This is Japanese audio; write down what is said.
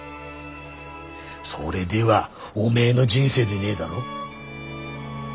それではおめえの人生でねえだろ？